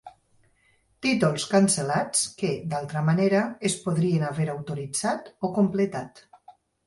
Títols cancel·lats que, d'altra manera, es podrien haver autoritzat o completat.